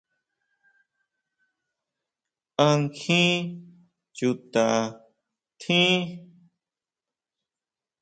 ¿A nkjin chuta tjín?